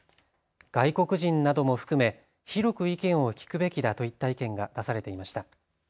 外国人なども含め、広く意見を聞くべきだといった意見が出されていました。